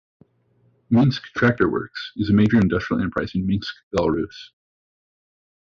Minsk Tractor Works is a major industrial enterprise in Minsk, Belarus.